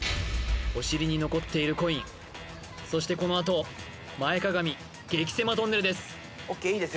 お尻に残っているコインそしてこのあと前かがみげき狭トンネルです